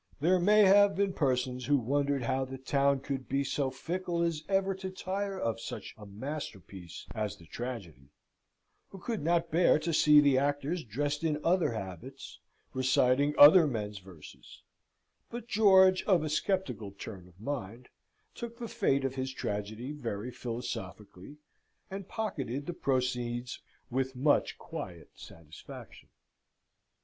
There may have been persons who wondered how the town could be so fickle as ever to tire of such a masterpiece as the Tragedy who could not bear to see the actors dressed in other habits, reciting other men's verses; but George, of a sceptical turn of mind, took the fate of his Tragedy very philosophically, and pocketed the proceeds with much quiet satisfaction.